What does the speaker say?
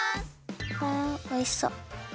わあおいしそう。